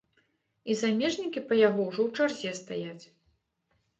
І замежнікі па яго ўжо ў чарзе стаяць.